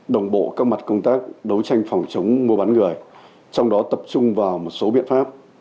đồng bộ các mặt công tác đấu tranh phòng chống mua bán người trong đó tập trung vào một số biện pháp